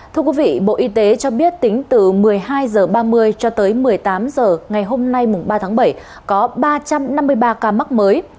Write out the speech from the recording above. thưa quý vị bộ y tế cho biết tính từ một mươi hai h ba mươi cho tới một mươi tám h ngày hôm nay mùng ba tháng bảy có ba trăm năm mươi ba ca mắc mới